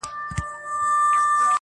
پر قاتل یې زیارت جوړ دی بختور دی!!